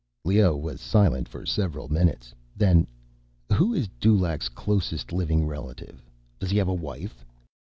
Leoh was silent for several minutes. Then: "Who is Dulaq's closest living relative? Does he have a wife?"